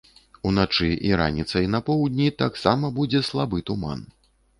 Уначы і раніцай на поўдні таксама будзе слабы туман.